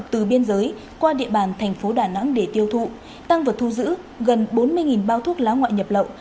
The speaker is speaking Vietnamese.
từ biên giới qua địa bàn thành phố đà nẵng để tiêu thụ tăng vật thu giữ gần bốn mươi bao thuốc lá ngoại nhập lậu